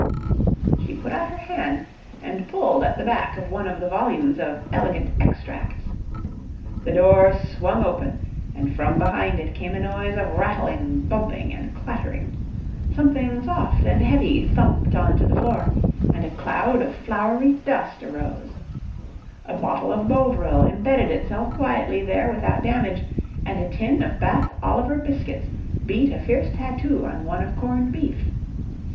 She put out her hand and pulled at the back of one of the volumes of "Elegant Extracts". The door swung open, and from behind it came a noise of rattling, bumping and clattering. Something soft and heavy thumped on to the floor, and a cloud of floury dust arose. A bottle of Bovril embedded itself quietly there without damage, and a tin of Bath Oliver biscuits beat a fierce tattoo on one of corned beef.